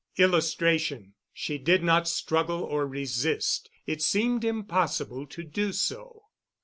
[Illustration: "She did not struggle or resist. It seemed impossible to do so."